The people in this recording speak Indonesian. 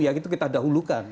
ya itu kita dahulukan